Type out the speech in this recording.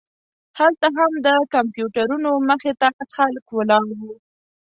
هلته هم د کمپیوټرونو مخې ته خلک ولاړ وو.